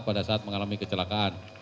pada saat mengalami kecelakaan